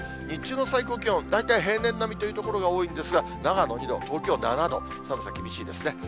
日中の最高気温、大体平年並みという所が多いんですが、長野２度、東京７度、寒さ厳しいですね。